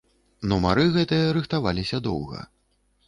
Нумары гэтыя рыхтаваліся доўга.